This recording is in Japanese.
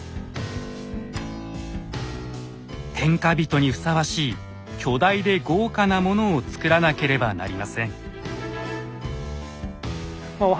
天下人にふさわしい巨大で豪華なものを造らなければなりません。